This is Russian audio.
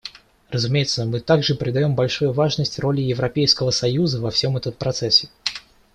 Разумеется, мы также придаем большую важность роли Европейского союза во всем этом процессе.